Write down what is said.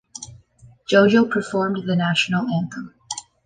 JoJo performed the national anthem.